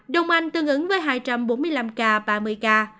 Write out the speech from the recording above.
đồng anh tương ứng với hai trăm bốn mươi năm ca và ba mươi ca